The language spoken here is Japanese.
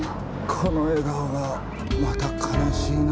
この笑顔がまた悲しいな。